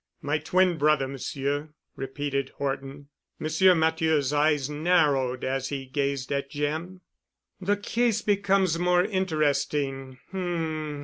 "My twin brother, Monsieur," repeated Horton. Monsieur Matthieu's eyes narrowed as he gazed at Jim. "The case becomes more interesting. H m.